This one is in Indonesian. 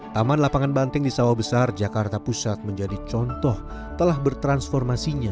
taman lapangan banteng di sawah besar jakarta pusat menjadi contoh telah bertransformasinya